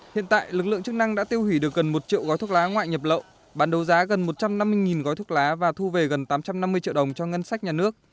hiện tại lực lượng chức năng đã tiêu hủy được gần một triệu gói thuốc lá ngoại nhập lậu bán đấu giá gần một trăm năm mươi gói thuốc lá và thu về gần tám trăm năm mươi triệu đồng cho ngân sách nhà nước